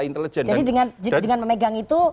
intelijen jadi dengan memegang itu